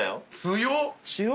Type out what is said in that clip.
強っ。